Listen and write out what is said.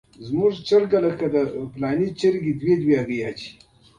زموږ چرګه خپلې هګۍ ساتي.